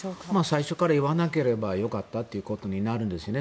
最初から言わなければよかったということになるんですよね。